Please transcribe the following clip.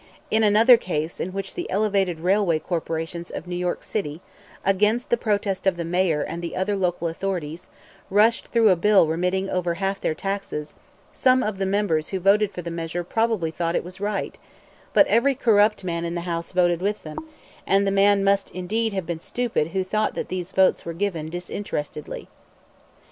In another case in which the elevated railway corporations of New York City, against the protest of the Mayor and the other local authorities, rushed through a bill remitting over half their taxes, some of the members who voted for the measure probably thought it was right; but every corrupt man in the House voted with them; and the man must indeed have been stupid who thought that these votes were given disinterestedly.